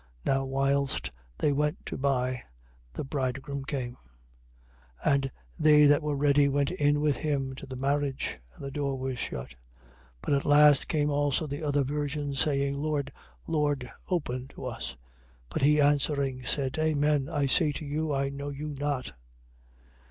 25:10. Now whilst they went to buy the bridegroom came: and they that were ready went in with him to the marriage. And the door was shut. 25:11. But at last came also the other virgins, saying: Lord, Lord, open to us. 25:12. But he answering said: Amen I say to you, I know you not.